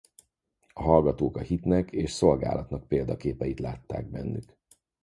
A hallgatók a hitnek és a szolgálatnak példaképeit látták bennük.